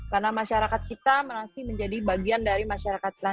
karena masyarakat kita masih menjadi bagian dari masyarakat kita